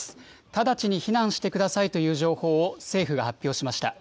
直ちに避難してくださいという情報を政府が発表しました。